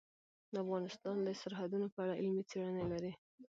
افغانستان د سرحدونه په اړه علمي څېړنې لري.